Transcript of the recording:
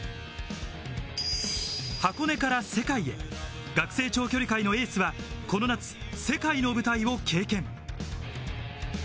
箱根から世界へ、学生長距離界のエースはこの夏、世界の舞台を経験。